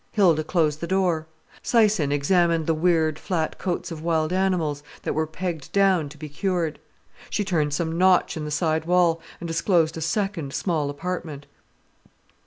Hilda closed the door. Syson examined the weird flat coats of wild animals, that were pegged down to be cured. She turned some knotch in the side wall, and disclosed a second, small apartment.